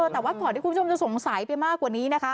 แต่ว่าก่อนที่คุณผู้ชมจะสงสัยไปมากกว่านี้นะคะ